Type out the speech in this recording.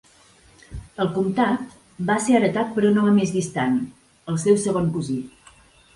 El comtat va ser heretat per un home més distant, el seu segon cosí.